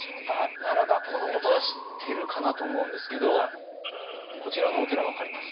ならばこのことは知ってるかなと思うんですけどこちらのお寺分かります？